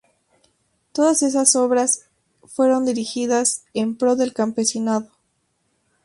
Todas estas obras fueron dirigidas en pro del campesinado.